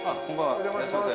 お願いします